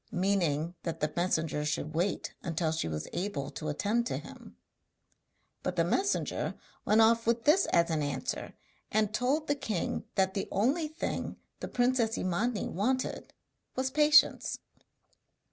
meaning that the messenger should wait till she was able to attend to him. But the messenger went off with this as an answer, and told the king that the only thing the princess Imani wanted was 'patience.'